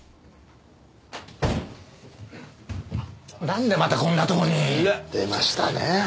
なんでまたこんなとこに！出ましたねえ